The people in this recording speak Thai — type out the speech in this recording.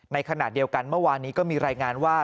ในขณะเดียวกันเมื่อวานนี้ก็มีรายงานว่า